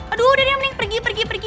aduh udah deh mending pergi pergi